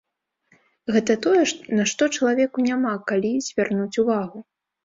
Гэта тое, на што чалавеку няма калі звярнуць увагу.